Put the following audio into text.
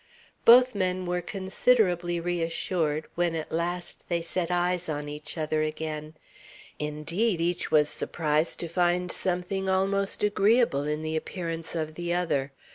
Both men were considerably reassured when at last they set eyes on each other again. Indeed each was surprised to find something almost agreeable in the appearance of the other.